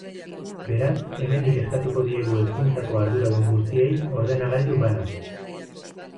Beraz, hemendik eskatuko diegu hezkuntzako arduradun guztiei ordenagailu bana.